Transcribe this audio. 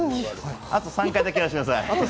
あと３回だけ、やらせてください。